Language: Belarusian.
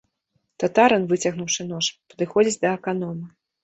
Татарын, выцягнуўшы нож, падыходзіць да аканома.